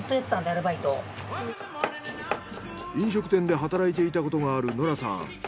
飲食店で働いていたことがあるノラさん。